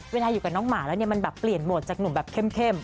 อยู่กับน้องหมาแล้วเนี่ยมันแบบเปลี่ยนโหมดจากหนุ่มแบบเข้ม